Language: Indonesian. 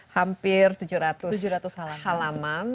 hampir tujuh ratus halaman